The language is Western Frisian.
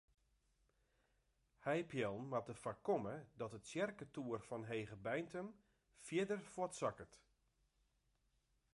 Heipeallen moatte foarkomme dat de tsjerketoer fan Hegebeintum fierder fuortsakket.